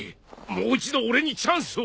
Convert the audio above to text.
もう一度俺にチャンスを！